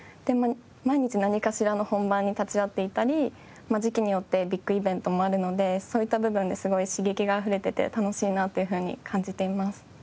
毎日何かしらの本番に立ち会っていたり時期によってビッグイベントもあるのでそういった部分ですごい刺激があふれてて楽しいなというふうに感じています。